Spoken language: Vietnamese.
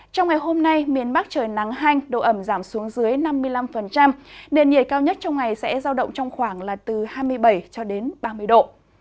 trong ngày hôm nay miền bắc trời nắng hanh độ ẩm giảm xuống dưới năm mươi năm nền nhiệt cao nhất trong ngày sẽ giao động trong khoảng là từ hai mươi bảy cho đến ba mươi độ